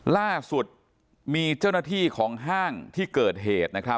ล่าสุดมีเจ้าหน้าที่ของห้างที่เกิดเหตุนะครับ